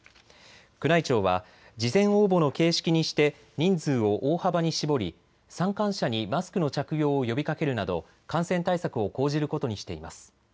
宮内庁は事前応募の形式にして人数を大幅に絞り参観者にマスクの着用を呼びかけるなど感染対策を講じることにしています。